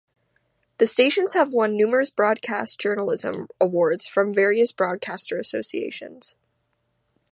The stations have won numerous broadcast journalism awards from various broadcaster associations.